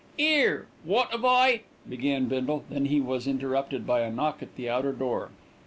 "'Ere, wot 'ave I ?" began Bindle, when he was interrupted by a knock at the outer door.